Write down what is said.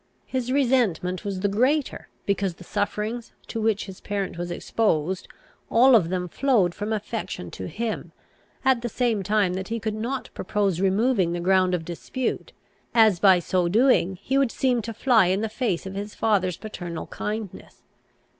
His resentment was the greater, because the sufferings to which his parent was exposed, all of them flowed from affection to him, at the same time that he could not propose removing the ground of dispute, as by so doing he would seem to fly in the face of his father's paternal kindness.